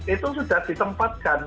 itu sudah ditempatkan